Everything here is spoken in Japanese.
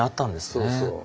そうそう。